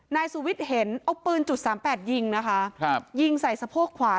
นายสุวิทย์เห็นเอาปืนจุดสามแปดยิงนะคะครับยิงใส่สะโพกขวา